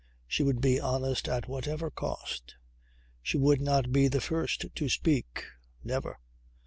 She would be honest at whatever cost. She would not be the first to speak. Never.